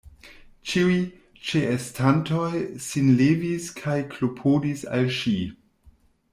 Ĉiuj ĉeestantoj sin levis kaj klopodis al ŝi.